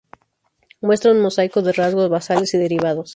Muestra un mosaico de rasgos basales y derivados.